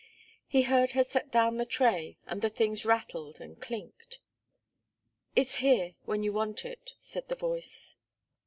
He heard her set down the tray, and the things rattled and clinked. "It's here, when you want it," said the voice.